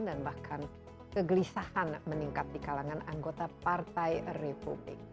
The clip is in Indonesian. dan bahkan kegelisahan meningkat di kalangan anggota partai republik